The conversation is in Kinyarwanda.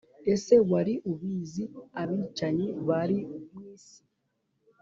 Ese wari ubizi Abicanyi bari mu isi